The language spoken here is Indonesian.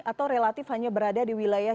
atau relatif hanya berada di wilayah